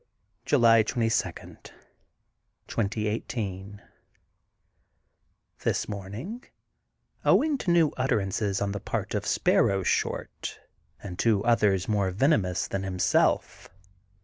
July 22, 2018: — This morning owing to new utterances on the part of Sparrow Short and two others, more venomous than himself